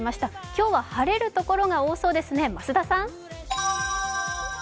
今日は晴れる所が多そうですね、増田さん。